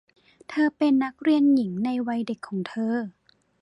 เธอเป็นนักเรียนหญิงในวัยเด็กของเธอ